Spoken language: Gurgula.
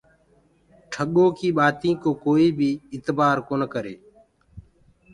ٺڳو ڪيٚ بآتينٚ ڪو ڪوئي بي اتبآر ڪونآ ڪري۔